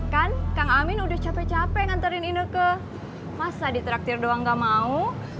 kan kang amin udah capek capek nganterin ine ke masa di traktir doang gak mau